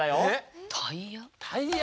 タイヤ？